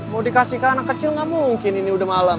mau dikasih ke anak kecil nggak mungkin ini udah malam